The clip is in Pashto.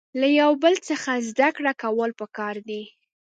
له یو بل څخه زده کړه کول پکار دي.